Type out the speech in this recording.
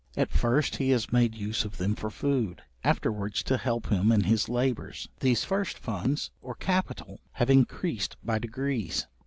At first he has made use of them for food, afterwards to help him in his labours. These first funds or capital have increased by degrees.